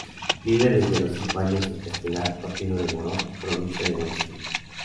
Vive desde los cinco años en Castelar, Partido de Morón, Provincia de Buenos Aires.